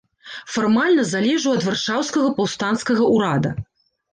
Фармальна залежаў ад варшаўскага паўстанцкага ўрада.